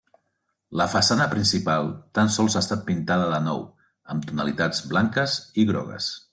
La façana principal tan sols ha estat pintada de nou, amb tonalitats blanques i grogues.